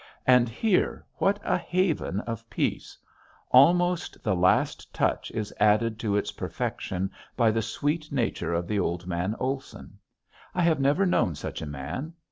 And here what a haven of peace! Almost the last touch is added to its perfection by the sweet nature of the old man Olson. I have never known such a man.